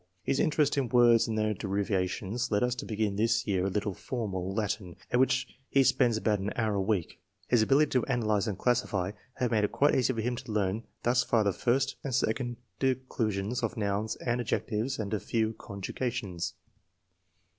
His interest in words and their derivations led us to begin this year a little formal Latin, at which he spends about an hour a week. His ability to analyze and classify have made it quite easy for him to learn thus far the first and second declensions of nouns and adjectives and a few conjugations.